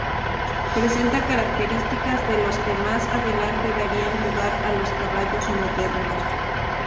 Presentan características de los que más adelante darían lugar a los caballos modernos.